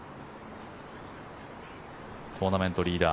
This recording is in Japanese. トーナメントリーダー